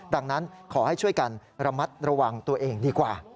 ดังนั้นขอให้ช่วยกันระมัดระวังตัวเองดีกว่า